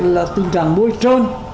là tình trạng bôi trơn